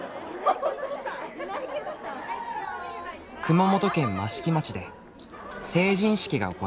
熊本県益城町で成人式が行われた。